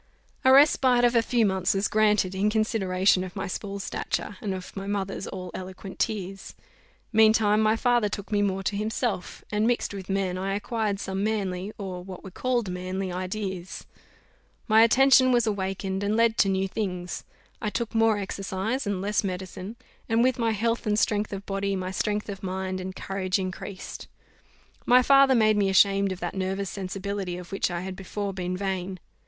A respite of a few months was granted, in consideration of my small stature, and of my mother's all eloquent tears. Meantime my father took me more to himself; and, mixed with men, I acquired some manly, or what were called manly, ideas. My attention was awakened, and led to new things. I took more exercise and less medicine; and with my health and strength of body my strength of mind and courage increased. My father made me ashamed of that nervous sensibility of which I had before been vain.